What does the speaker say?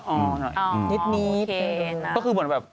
อ๋อโอเคนะนิดก็คือเหมือนแบบ